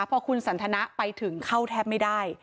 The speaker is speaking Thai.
พอคุณสันทนะไปถึงเข้าแทบไม่ได้